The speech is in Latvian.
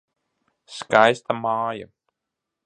Skaista māja.